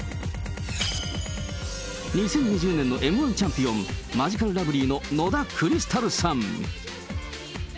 ２０２０年のＭー１チャンピオン、マヂカルラブリーの野田クリスタルさん。